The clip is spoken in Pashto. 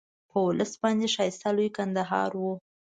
په ولس باندې ښایسته لوی کندهار وو.